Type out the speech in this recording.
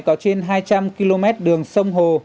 có trên hai trăm linh km đường sông hồ